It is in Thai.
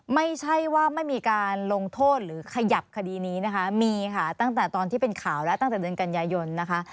ไม่ใช่ว่าไม่มีการลงโทษหรือขยับคดีนี้นะคะมีค่ะตั้งแต่ตอนที่เป็นข่าวแล้วตั้งแต่เดือนกันยายนนะคะ